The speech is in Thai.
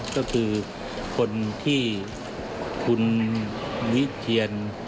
ก็คือคนที่คุณวิเทียน